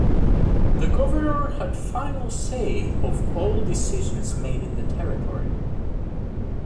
The governor had final say of all decisions made in the territory.